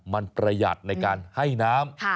มันประหยัดในการให้น้ำ